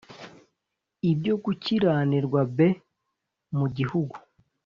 ibyo gukiranirwa b mu gihugu